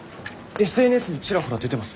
ＳＮＳにちらほら出てます。